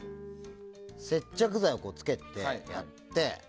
接着剤つけて、やって。